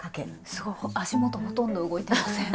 すごい足元ほとんど動いてません。